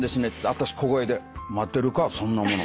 私小声で待てるかそんなもの。